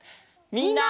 みんな！